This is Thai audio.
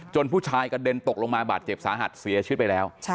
ผู้ชายกระเด็นตกลงมาบาดเจ็บสาหัสเสียชีวิตไปแล้ว